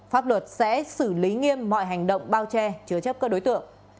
pháp luật sẽ xử lý nghiêm mọi hành động bao che chứa chấp các đối tượng